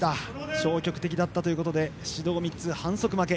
消極的だったということで指導３つ、反則負け。